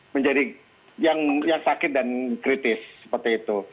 menjadi yang sakit dan kritis seperti itu